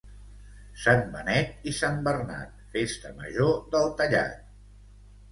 Sant Benet i Sant Bernat, festa major del Tallat.